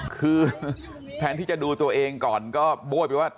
คือแทนที่จะดูตัวเองก่อนก็โบ้ยไปว่า